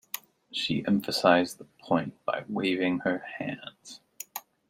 She emphasised the point by waving her hands.